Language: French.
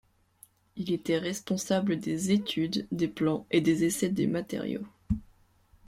Il y était responsable des études, des plans et des essais des matériaux.